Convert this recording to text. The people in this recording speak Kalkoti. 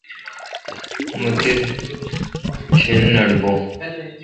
مہ تی ڄھل نٹ بون۔